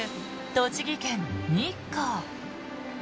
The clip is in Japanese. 栃木県日光。